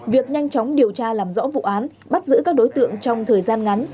việc nhanh chóng điều tra làm rõ vụ án bắt giữ các đối tượng trong thời gian ngắn